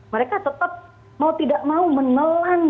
mereka tetap mau tidak mau menelan